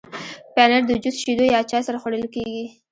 پنېر د جوس، شیدو یا چای سره خوړل کېږي.